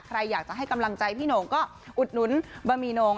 ใครอยากจะให้กำลังใจพี่หน่งก็อุดหนุนบะหมี่โน่ง